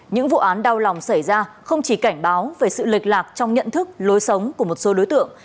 những vụ án đau lòng xảy ra không chỉ cảnh báo về sự lệch lạc trong nhận thức lối sống của một số đối tượng